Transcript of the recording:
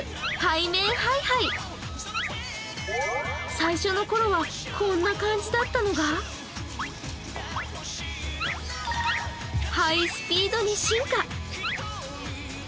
最初の頃はこんな感じだったのが、ハイスピードに進化。